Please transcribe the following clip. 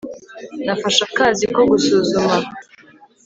nafashe akazi ko gusuzuma